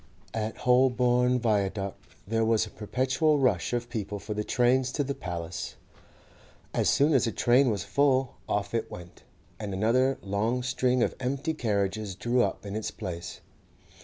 At Holborn Viaduct there was a perpetual rush of people for the trains to the 'Paliss.' As soon as a train was full, off it went, and another long string of empty carriages drew up in its place.